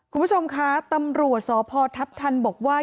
คุณผู้ชมคะตำรวจสพทัพทันบอกว่า